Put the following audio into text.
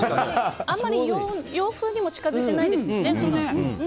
あまり洋風にも近づいてないですよね。